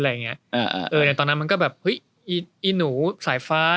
อะไรอย่างเงี้ยเออในตอนนั้นมันก็แบบเฮ้ยอีอีหนูสายฟ้า